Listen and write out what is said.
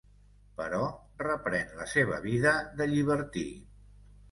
Però reprèn la seva vida de llibertí.